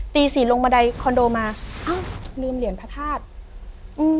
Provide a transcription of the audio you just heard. ตีสี่ลงบันไดคอนโดมาอ้าวลืมเหรียญพระธาตุอืม